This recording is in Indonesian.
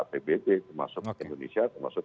pbt termasuk indonesia termasuk